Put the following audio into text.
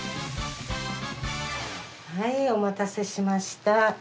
はいお待たせしました。